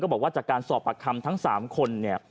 ก็บอกว่าจากการสอบปัดคำทั้ง๓คนนี้